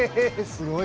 すごい！